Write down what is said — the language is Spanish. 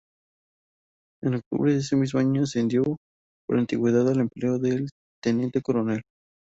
En octubre de ese año ascendió por antigüedad al empleo de teniente coronel.